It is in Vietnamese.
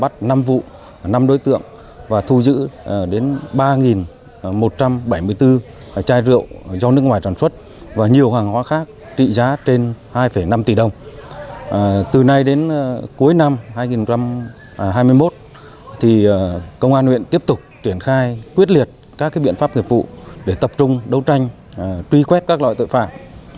từ nay đến cuối năm hai nghìn hai mươi một công an huyện tiếp tục tuyển khai quyết liệt các biện pháp nghiệp vụ để tập trung đấu tranh truy khuét các loại tội phạm